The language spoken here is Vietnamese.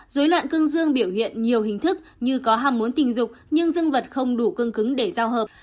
dối loạn cưng dương biểu hiện nhiều hình thức như có hàm muốn tình dục nhưng dương vật không đủ cưng cứng để giao hợp